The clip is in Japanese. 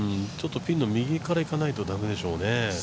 ピンの右からいかないと駄目でしょうね。